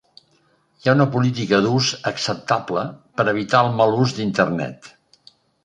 Hi ha una política d'ús acceptable per evitar el mal ús d'Internet.